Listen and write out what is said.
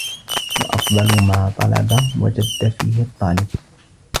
وَأَفْضَلُ مَا طَلَبَ وَجَدَّ فِيهِ الطَّالِبُ